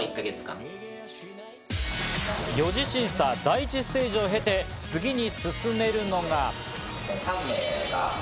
４次審査、第１ステージを経て、次に進めるのが。